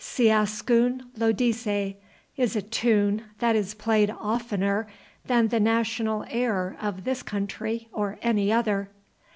'Ciascun lo dice' is a tune that is played oftener than the national air of this country or any other.